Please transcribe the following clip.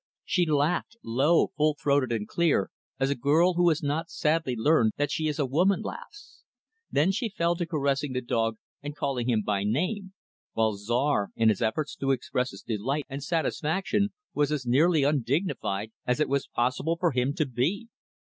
She laughed low, full throated and clear as a girl who has not sadly learned that she is a woman, laughs. Then she fell to caressing the dog and calling him by name; while Czar in his efforts to express his delight and satisfaction was as nearly undignified as it was possible for him to be.